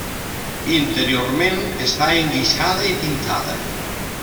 Interiorment està enguixada i pintada.